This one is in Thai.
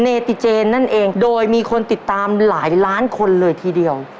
ติเจนนั่นเองโดยมีคนติดตามหลายล้านคนเลยทีเดียว